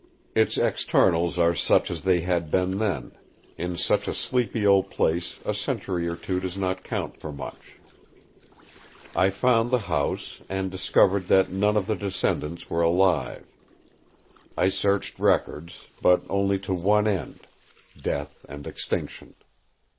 Its externals are such as they had been then; in such a sleepy old place a century or two does not count for much. I found the house, and discovered that none of the descendants were alive. I searched records; but only to one end—death and extinction.